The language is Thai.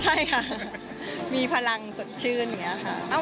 ใช่ค่ะมีพลังสดชื่นอย่างนี้ค่ะ